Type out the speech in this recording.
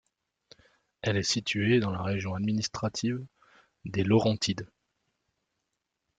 Elle est située dans la région administrative des Laurentides.